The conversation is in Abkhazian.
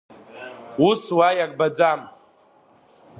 Ус уа иарбаӡам.